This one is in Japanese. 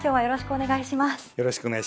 よろしくお願いします。